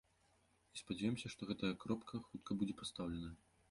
І, спадзяёмся, што гэтая кропка хутка будзе пастаўленая.